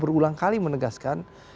berulang kali menegaskan